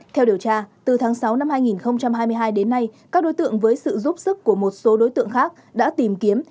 theo điều tra từ tháng sáu năm hai nghìn hai mươi hai đến nay các đối tượng với sự giúp sức của một số đối tượng khác đã tìm kiếm